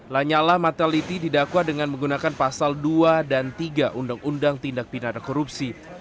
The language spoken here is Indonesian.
lanyala mataliti didakwa dengan menggunakan pasal dua dan tiga undang undang tindak pidana korupsi